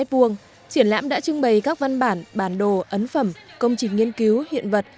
triển lãm đã trưng bày các văn bản bản đồ ấn phẩm công trình nghiên cứu hiện vật